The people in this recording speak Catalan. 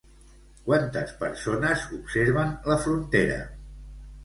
Quantes persones observen la frontera?